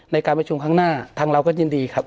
ในการประชุมข้างหน้าทางเราก็ยินดีครับ